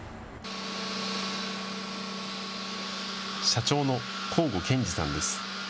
社長の向後賢司さんです。